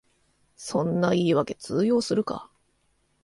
そんな言いわけ通用するか